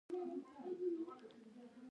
زما له هغه سره لږ کار وه.